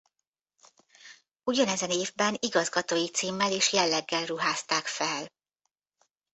Ugyanezen évben igazgatói címmel és jelleggel ruházták fel.